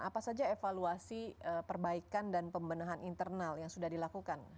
apa saja evaluasi perbaikan dan pembenahan internal yang sudah dilakukan